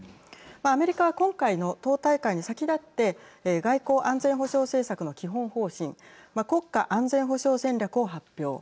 アメリカは今回の党大会に先だって外交安全保障政策の基本方針国家安全保障戦略を発表。